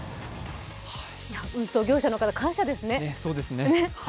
運送業者の方、感謝ですね。